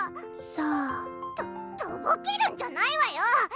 ⁉さあ？ととぼけるんじゃないわよ！